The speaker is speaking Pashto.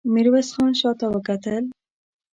ميرويس خان شاته وکتل.